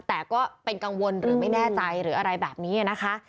แต่ก็เป็นกังวลหรือไม่แน่ใจหรืออะไรแบบนี้นะคะ